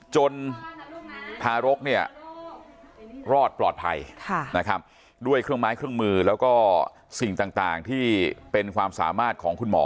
ทารกเนี่ยรอดปลอดภัยนะครับด้วยเครื่องไม้เครื่องมือแล้วก็สิ่งต่างที่เป็นความสามารถของคุณหมอ